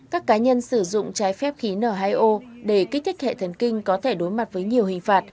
các cá nhân sử dụng trái phép khí n hai o để kích thích hệ thần kinh có thể đối mặt với nhiều hình phạt